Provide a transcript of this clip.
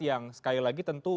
yang sekali lagi tentu